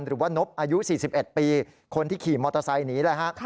หรือว่านพออายุ๔๑ปีคนที่ขี่มอเตอร์ไซน์นี้นะครับ